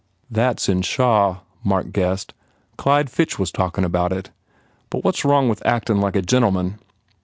"That s in Shaw," Mark guessed, "Clyde Fitch was talkin about it. But what s wrong with actin like a gentleman?"